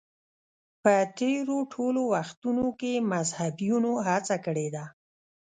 په تېرو ټولو وختونو کې مذهبیونو هڅه کړې ده